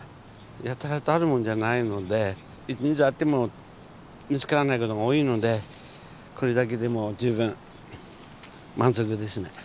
やたらとあるもんじゃないので一日あっても見つからないことが多いのでこれだけでも十分満足ですね。